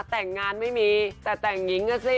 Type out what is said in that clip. แต่งงานไม่มีแต่แต่งหญิงอ่ะสิ